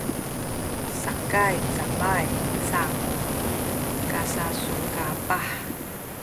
sakay cabay sa kasasukapah